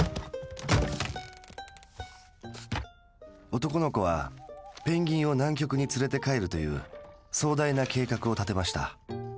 男の子はペンギンを南極に連れて帰るという壮大な計画を立てました。